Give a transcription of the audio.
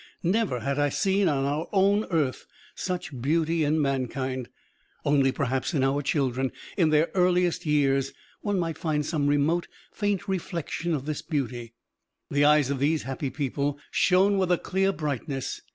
Never had I seen on our own earth such beauty in mankind. Only perhaps in our children, in their earliest years, one might find some remote, faint reflection of this beauty. The eyes of these happy people shone with a clear brightness.